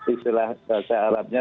istilah bahasa arabnya